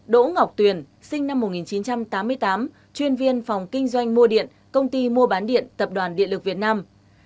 bốn đỗ ngọc tuyền sinh năm một nghìn chín trăm tám mươi tám chuyên viên phòng kinh doanh mua điện công ty mua bán điện tập đoàn điện lực việt nam